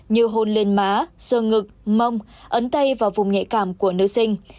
nhiều hôn lên má sơ ngực mông ấn tay vào vùng nhạy cảm của nữ sinh